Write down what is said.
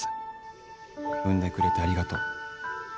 生んでくれてありがとう。